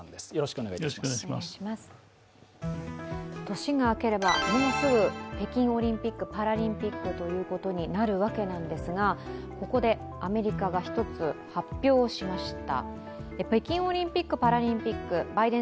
年が明ければ、もうすぐ北京オリンピック・パラリンピックということになるわけですが、ここでアメリカが１つ、発表をしました。